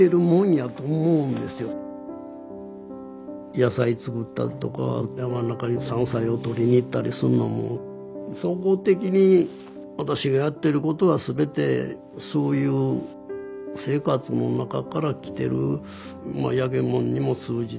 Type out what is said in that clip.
野菜作ったりとか山の中に山菜を採りにいったりするのも総合的に私がやってることは全てそういう生活の中からきてる焼きものにも通じてるし生きざまみたいなもんでしょうね。